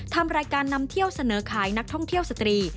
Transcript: ทำรายการนำเที่ยวเสนอขายนักท่องเที่ยวสตรี